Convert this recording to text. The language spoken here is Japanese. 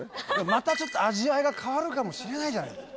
またちょっと味わいが変わるかもしれないじゃないですか。